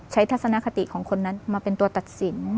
ทัศนคติของคนนั้นมาเป็นตัวตัดสิน